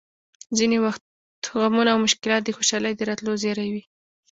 ځینې وخت غمونه او مشکلات د خوشحالۍ د راتلو زېری وي!